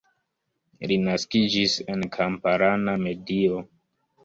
Li naskiĝis en kamparana medio.